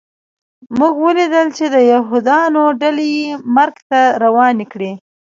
موږ ولیدل چې د یهودانو ډلې یې مرګ ته روانې کړې